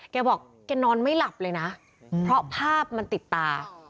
แกบอกแกนอนไม่หลับเลยนะเพราะภาพมันติดตา